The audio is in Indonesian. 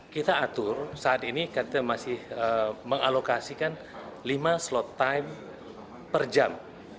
kita atur saat ini kita masih mengalokasikan lima slot time per jam